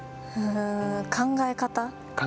考え方？